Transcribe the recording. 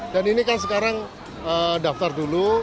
dan ini kan sekarang daftar dulu